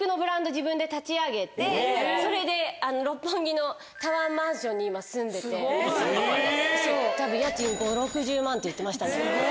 自分で立ち上げてそれで六本木のタワーマンションに今住んでて。って言ってましたね。